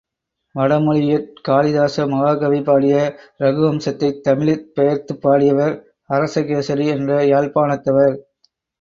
வடமொழியிற் காளிதாச மகாகவி பாடிய இரகுவம்சத்தைத் தமிழிற் பெயர்த்துப் பாடியவர் அரசகேசரி என்ற யாழ்ப்பாணத்தவர்.